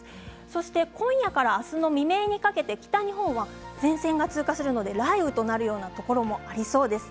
そして今夜から明日の未明にかけて北日本は前線が通過するので雷雨となるようなところもありそうです。